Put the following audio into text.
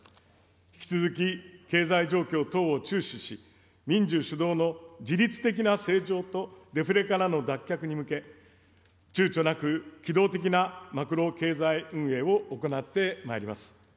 引き続き、経済状況等を注視し、民需主導の自律的な成長とデフレからの脱却に向け、ちゅうちょなく機動的なマクロ経済運営を行ってまいります。